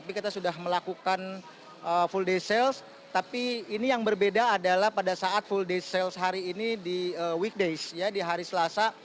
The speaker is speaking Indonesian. bukan full day sale tapi ini yang berbeda adalah pada saat full day sale hari ini di weekdays ya di hari selasa